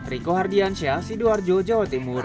riko hardiansyah sidoarjo jawa timur